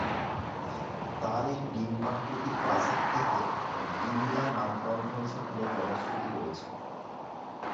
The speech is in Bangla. তার এই ডিম্বাকৃতি প্রাসাদ থেকে ডিমলা নামকরণ হয়েছে বলে জনশ্রুতি রয়েছে।